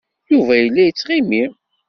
Yuba yella yettɣimi.